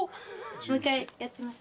もう一回やってみます。